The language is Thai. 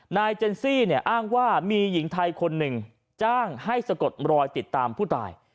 เจนซี่เนี่ยอ้างว่ามีหญิงไทยคนหนึ่งจ้างให้สะกดรอยติดตามผู้ตาย